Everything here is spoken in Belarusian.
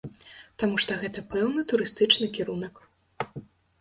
Так што гэта пэўны турыстычны кірунак.